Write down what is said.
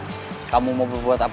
tidak ada yang bisa diberikan kepadamu